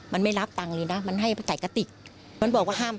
มันไม่รับตังค์เลยนะมันให้ใส่กระติก